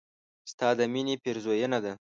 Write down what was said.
ستا د مينې پيرزوينه ده